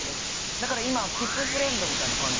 だから今キスフレンドみたいな感じ？